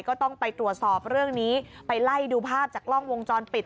ก็ต้องไปตรวจสอบเรื่องนี้ไปไล่ดูภาพจากกล้องวงจรปิด